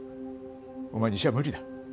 お前に医者は無理だ。